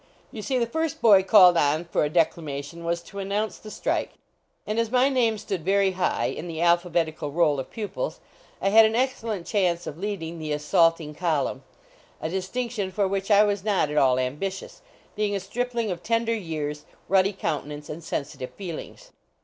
You see, the first boy called on for a declamation was to announce the strike, and as my name stood very high in the alphabetical roll of pupils I had an excellent chance of leading the assaulting column, a distinction for which I was not at all ambitious, being a stripling of tender years, ruddy countenance, and sensitive feel ings.